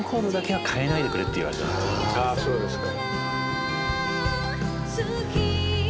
ああそうですか。